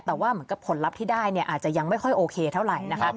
แต่ว่าเหมือนกับผลลัพธ์ที่ได้เนี่ยอาจจะยังไม่ค่อยโอเคเท่าไหร่นะคะ